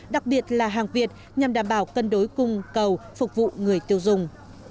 đặc biệt là hàng việt nhằm đảm bảo cân đối cung cầu phục vụ người tiêu dùng